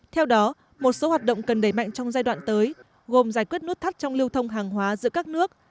theo đó một số hoạt động cần đẩy mạnh trong giai đoạn tới gồm giải quyết nút thắt trong lưu thông hàng hóa giữa các nước